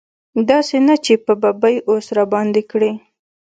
داسې نه چې په ببۍ اوس راباندې کړي.